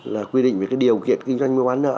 là quy định về cái điều kiện kinh doanh mua bán nợ